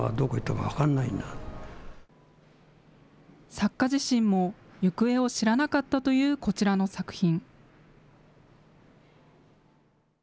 作家自身も行方を知らなかったというこちらの作品。